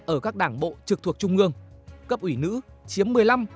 ở các đảng bộ trực thuộc trung ương cấp ủy nữ chiếm một mươi năm bảy mươi một